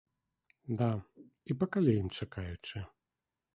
Да і пакалеем чакаючы.